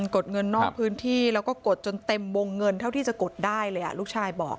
กดเงินนอกพื้นที่แล้วก็กดจนเต็มวงเงินเท่าที่จะกดได้เลยลูกชายบอก